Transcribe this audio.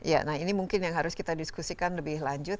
ya nah ini mungkin yang harus kita diskusikan lebih lanjut